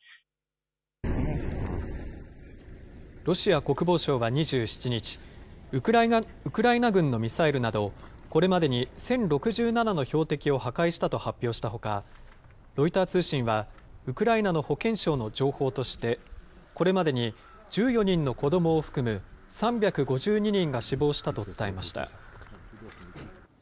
ロシア国防省は２７日、ウクライナ軍のミサイルなどこれまでに１０６７の標的を破壊したと発表したほか、ロイター通信は、ウクライナの保健省の情報として、これまでに１４人の子どもを含む３５２人が死亡したと伝えました。